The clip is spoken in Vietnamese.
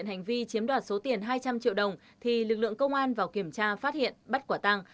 hành vi chiếm đoạt số tiền hai trăm linh triệu đồng thì lực lượng công an vào kiểm tra phát hiện bắt quả tăng